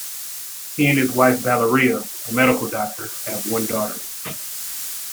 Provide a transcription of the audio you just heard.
He and his wife Valeria, a medical doctor, have one daughter.